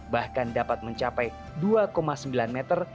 bahkan dapat mencapai dua sembilan meter